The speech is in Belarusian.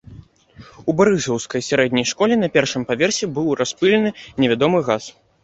У барысаўскай сярэдняй школе на першым паверсе быў распылены невядомы газ.